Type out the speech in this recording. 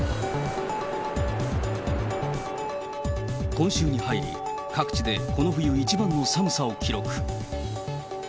今週に入り、各地でこの冬一番の寒さを記録。